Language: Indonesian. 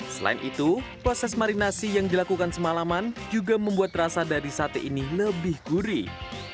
selain itu proses marinasi yang dilakukan semalaman juga membuat rasa dari sate ini lebih gurih